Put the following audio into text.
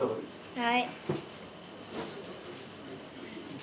はい。